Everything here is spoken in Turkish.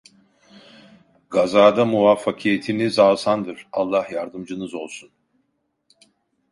Gazada muvaffakiyetiniz âsândır, Allah yardımcınız olsun!